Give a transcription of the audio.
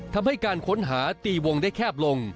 ทำให้การค้นหาตีวงได้แคบลง